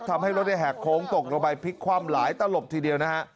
ทำให้รถแหกโค้งตกลงไปพลิกคว่ำหลายตลบทีเดียวนะฮะ